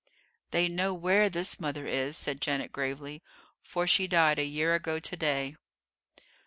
"They know where this mother is," said Janet gravely, "for she died a year ago to day."